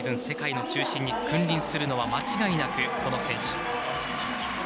世界の中心に君臨するのは間違いなく、この選手。